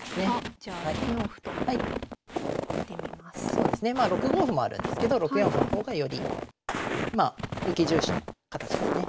そうですねまあ６五歩もあるんですけど６四歩の方がよりまあ受け重視の形ですね。